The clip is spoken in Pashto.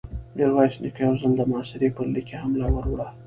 ميرويس نيکه يو ځل د محاصرې پر ليکې حمله ور وړه.